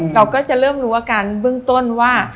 เราก็จะเริ่มรู้อาการเบื้องต้นว่า